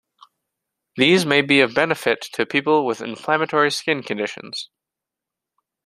These may be of benefit to people with inflammatory skin conditions.